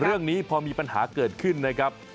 เรื่องนี้พอมีปัญหาเกิดขึ้นนะครับ